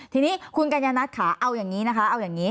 ทีนี้คุณกัญญาณัทค่ะเอาอย่างนี้นะคะ